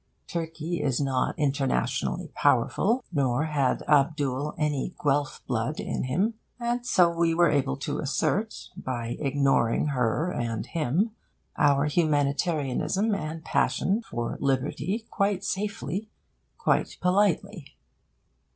Turkey is not internationally powerful, nor had Abdul any Guelph blood in him; and so we were able to assert, by ignoring her and him, our humanitarianism and passion for liberty, quite safely, quite politely.